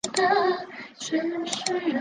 陈胜人。